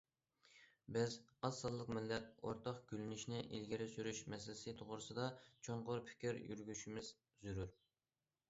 بىز ئاز سانلىق مىللەت ئورتاق گۈللىنىشىنى ئىلگىرى سۈرۈش مەسىلىسى توغرىسىدا چوڭقۇر پىكىر يۈرگۈزۈشىمىز زۆرۈر.